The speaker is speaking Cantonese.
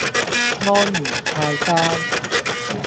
安如泰山